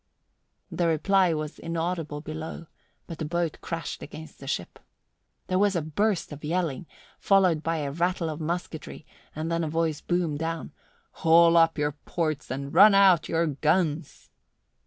The reply was inaudible below, but a boat crashed against the ship. There was a burst of yelling, followed by a rattle of musketry, then a voice boomed down, "Haul up your ports and run out your guns!"